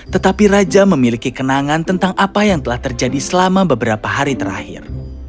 tetapi raja memiliki kenangan tentang apa yang telah terjadi selama beberapa hari terakhir